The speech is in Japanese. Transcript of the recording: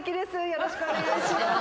よろしくお願いします。